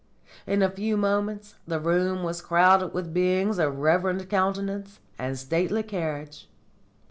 In a few moments the room was crowded with beings of reverend countenance and stately carriage.